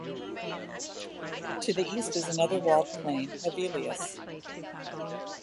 To the east is another walled plain, Hevelius.